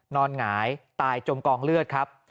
หงายตายจมกองเลือดครับ